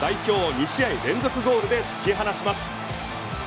２試合連続ゴールで突き放します。